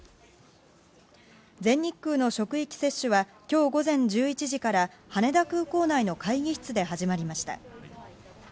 全日空の職域接種は今日午前１１時から羽田空港内の会議室で始まりました。